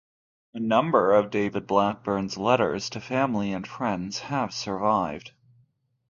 A number of David Blackburn's letters to family and friends have survived.